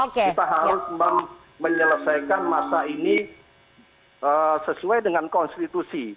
kita harus menyelesaikan masa ini sesuai dengan konstitusi